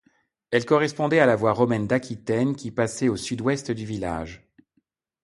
Elle correspondait à la voie romaine d’Aquitaine qui passait au sud-ouest du village.